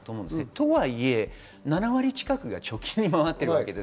とはいえ７割近くが貯金に回っています。